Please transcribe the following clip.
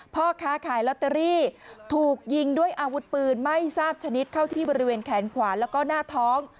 พ่อค้าขายลอตเตอรี่ถูกยิงด้วยอาวุธปืนไม่ทราบชนิดเข้าที่บริเวณแขนขวาแล้วก็หน้าท้อง